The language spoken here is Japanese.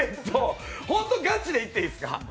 ほんとガチで言っていいですか。